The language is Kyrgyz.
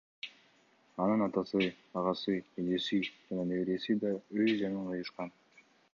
Анын атасы, агасы, эжеси жана небереси да өз жанын кыйышкан.